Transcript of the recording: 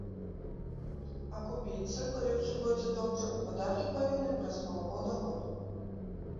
Акупіцца, калі ўсё пойдзе добра, выдаткі павінны праз паўгода-год.